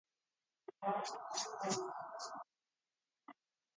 Estevanico traveled ahead of the main party with a group of Sonoran Indians.